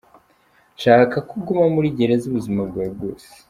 Nshaka ko uguma muri gereza ubuzima bwawe bwose’.